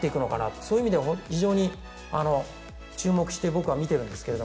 そういう意味では非常に注目して僕は見てるんですが。